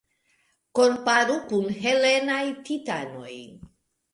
Komparu kun helenaj titanoj.